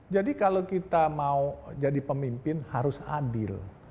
jadi kalau kita mau jadi pemimpin harus adil